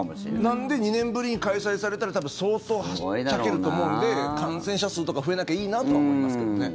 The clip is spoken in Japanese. なので２年ぶりに開催されたら相当はっちゃけると思うんで感染者数とか増えなきゃいいなとは思いますけどね。